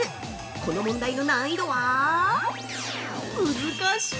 この問題の難易度はむずかしい。